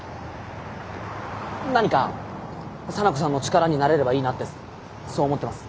何か沙名子さんの力になれればいいなってそう思ってます。